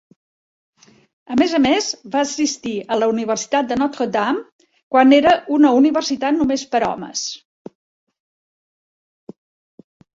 A més a més, va assistir a la Universitat de Notre Dame, quan era una universitat només per homes.